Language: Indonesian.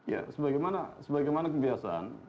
ya sebagaimana kebiasaan